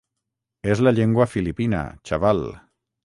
És la llengua filipina, xaval!